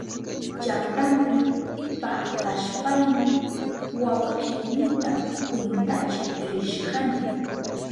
Llaktanpi paktashpayni wawkiynita kwintachik rishkani.